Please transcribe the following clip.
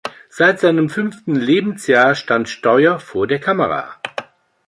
Seit seinem fünften Lebensjahr stand Steuer vor der Kamera.